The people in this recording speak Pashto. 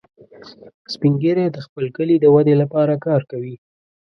سپین ږیری د خپل کلي د ودې لپاره کار کوي